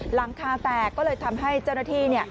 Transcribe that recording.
หลังคาแตกก็เลยทำให้เจ้าหน้าที่